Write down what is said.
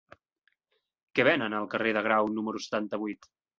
Què venen al carrer de Grau número setanta-vuit?